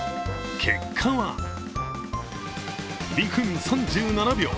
結果は２分３７秒。